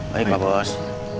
baik pak bos